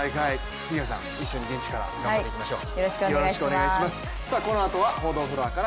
杉原さん、一緒に現地から応援していきましょう。